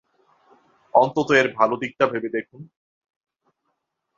অন্তত এর ভালো দিকটা ভেবে দেখুন।